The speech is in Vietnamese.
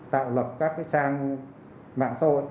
tạo lập các trang mạng xã hội